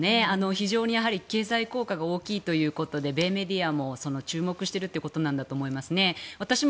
非常に経済効果が大きいというところで米メディアも注目しているということなんだと思います。